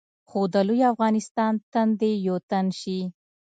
خو د لوی افغانستان تن دې یو تن شي.